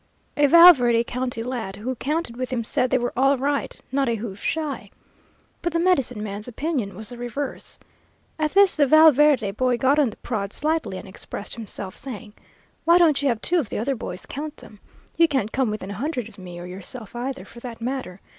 "A Val Verde County lad who counted with him said they were all right not a hoof shy. But the medicine man's opinion was the reverse. At this the Val Verde boy got on the prod slightly, and expressed himself, saying, 'Why don't you have two of the other boys count them? You can't come within a hundred of me, or yourself either, for that matter.